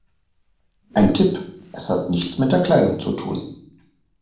Ein Tipp: Es hat nichts mit der Kleidung zu tun.